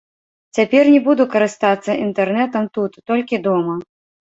Цяпер не буду карыстацца інтэрнэтам тут, толькі дома.